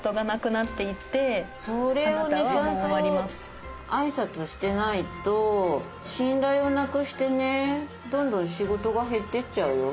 それをねちゃんとあいさつしてないと信頼をなくしてねどんどん仕事が減っていっちゃうよ。